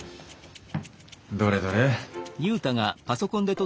どれどれ。